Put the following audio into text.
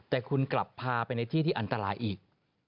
แต่คุณกลับพาไปในที่ที่อันตรายอีก